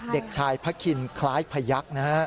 เด็กชายพะคินคล้ายพยักษ์